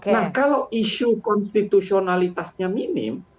nah kalau isu konstitusionalitasnya minim